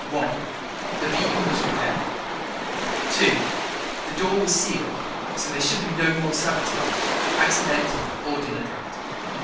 One: The beacon was repaired. Two: The door was sealed, so there should be no more sabotage, accidental or deliberate.